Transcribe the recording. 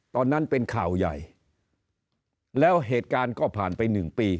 ตอนนั้นเป็นข่าวใหญ่แล้วเหตุการณ์ก็ผ่านไปหนึ่งปี